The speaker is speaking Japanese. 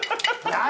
何！？